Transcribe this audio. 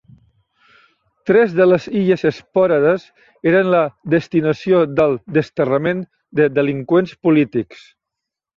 Tres de les illes Espòrades eren la destinació del desterrament de delinqüents polítics.